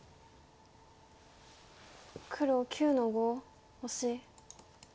黒９の五オシ。